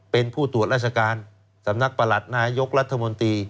เป็นผู้ตรวจราชการสำนักประหลัดนายกรัฐมนตรี